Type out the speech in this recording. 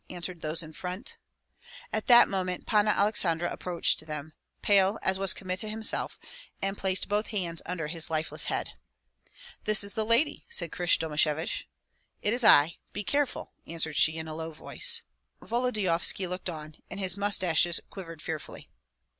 answered those in front. At that moment Panna Aleksandra approached them, pale as was Kmita himself, and placed both hands under his lifeless head. "This is the lady," said Krysh Domashevich. "It is I. Be careful!" answered she, in a low voice. Volodyovski looked on, and his mustaches quivered fearfully.